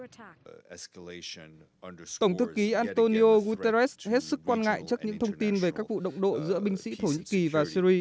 tổng thư ký antonio guterres hết sức quan ngại trước những thông tin về các vụ động độ giữa binh sĩ thổ nhĩ kỳ và syri